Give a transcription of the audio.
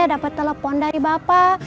dapet telepon dari bapak